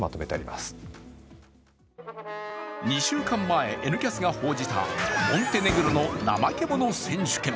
２週間前、「Ｎキャス」が報じたモンテネグロの怠け者選手権。